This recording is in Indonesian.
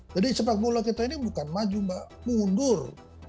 jadi sepak bola kita ini bukan maju mbak mundur